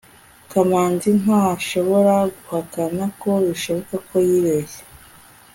kamanzi ntashobora guhakana ko bishoboka ko yibeshye